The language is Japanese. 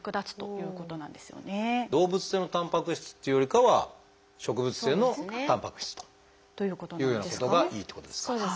動物性のたんぱく質っていうよりかは植物性のたんぱく質というようなことがいいってことですか。